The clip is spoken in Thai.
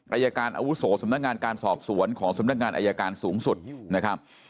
อายการอาวุโสสำนักงานการสอบสวนของสำนักงานอายการสูงสุดนะครับ